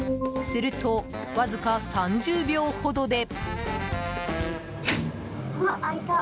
すると、わずか３０秒ほどで。